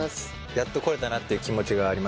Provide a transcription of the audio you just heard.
やっと来れたなっていう気持ちがありましたね。